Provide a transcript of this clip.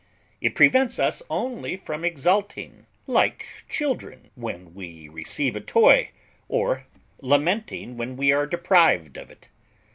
It prevents us only from exulting, like children, when we receive a toy, or from lamenting when we are deprived of it.